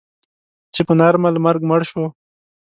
چې په نارمل مرګ مړ شو.